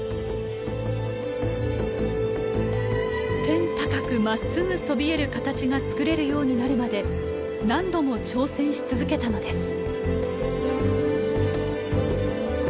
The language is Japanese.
天高くまっすぐそびえる形が造れるようになるまで何度も挑戦し続けたのです。